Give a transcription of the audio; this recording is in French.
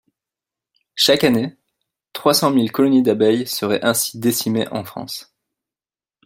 Chaque année, trois cent mille colonies d’abeilles seraient ainsi décimées en France.